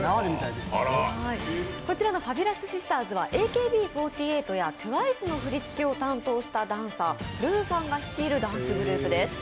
こちらのＦａｂｕｌｏｕｓＳｉｓｔｅｒｓはＡＫＢ４８やＴＷＩＣＥの振り付けを担当したダンサーＲｕｕさんが率いるダンスグループです。